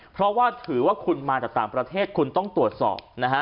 เพราะว่าถือว่าคุณมาจากต่างประเทศคุณต้องตรวจสอบนะฮะ